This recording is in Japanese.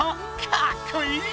かっこいい！